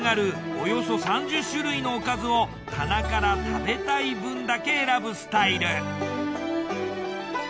およそ３０種類のおかずを棚から食べたい分だけ選ぶスタイル。